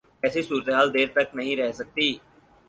ایسی صورتحال دیر تک نہیں رہ سکتی۔